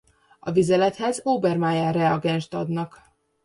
A vizelethez Obermayer-reagenset adnak.